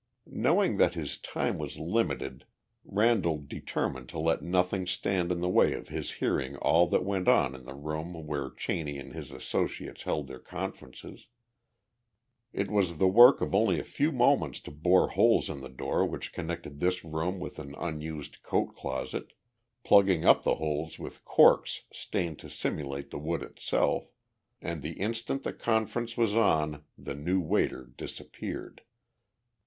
Knowing that his time was limited, Randall determined to let nothing stand in the way of his hearing all that went on in the room where Cheney and his associates held their conferences. It was the work of only a few moments to bore holes in the door which connected this room with an unused coat closet plugging up the holes with corks stained to simulate the wood itself and the instant the conference was on the new waiter disappeared.